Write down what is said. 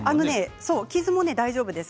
傷も大丈夫です。